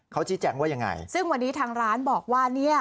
เขาชี้แจงว่ายังไงซึ่งวันนี้ทางร้านบอกว่าเนี่ย